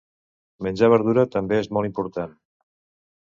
Menjar verdura també és molt important.